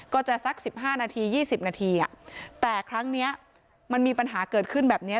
ก็จะสักสิบห้านาทียี่สิบนาทีอ่ะแต่ครั้งเนี้ยมันมีปัญหาเกิดขึ้นแบบเนี้ย